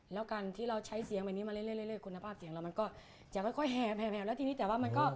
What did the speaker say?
แล้วการที่เราใช้เสียงแบบนี้มาเรื่อยคุณภาพเสียงเรามันก็จะค่อยแห่วแล้วทีนี้แต่ว่ามันก็